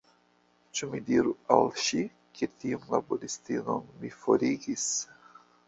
Ĉu mi diru al ŝi, ke tiun laboristinon mi forigis?